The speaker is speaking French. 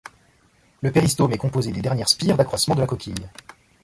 Le péristome est composé des dernières spires d’accroissement de la coquille.